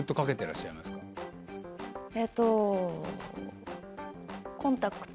えっと。